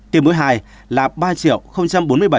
tiêm mũi hai là ba bốn mươi bảy năm trăm hai mươi năm lượt